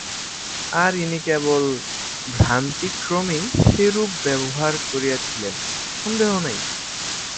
আর ইনি কেবল ভ্রান্তিক্রমেই সেরূপ ব্যবহার করিয়াছিলেন সন্দেহ নাই।